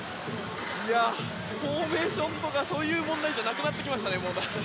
フォーメーションとかそういう問題じゃなくなってきましたね。